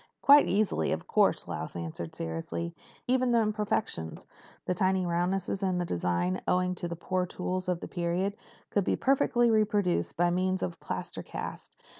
"Quite easily, of course," Lausch answered seriously. "Even the imperfections—the tiny roughnesses in the design, owing to the poor tools of the period—could be perfectly reproduced by means of a plaster cast.